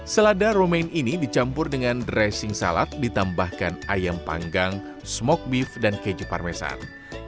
selada romaine ini dicampur dengan dressing salad ditambahkan ayam panggang smoke beef dan keju parmesan